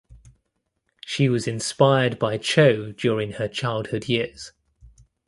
She was inspired by Cho during her childhood years.